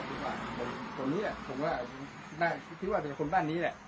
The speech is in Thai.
ผมก็อะไรก็คิดว่าคนนี้ผมก็คิดว่าเป็นคนบ้านนี้เนี่ย